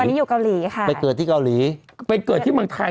อันนี้อยู่เกาหลีค่ะไปเกิดที่เกาหลีไปเกิดที่เมืองไทย